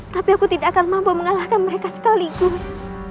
tapi aku tidak akan mampu mengalahkan mereka sekaligus